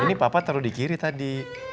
ini papa terlalu di kiri tadi